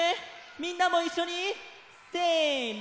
みんなもいっしょにせの！